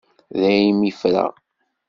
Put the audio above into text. Daymi i ffreɣ.